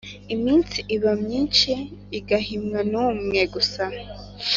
iminsi iba myinshi igahimwa n’umwe gusa